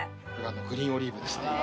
グリーンオリーブですね。